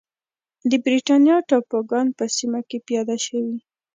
د برېټانیا ټاپوګان په سیمه کې پیاده شوې.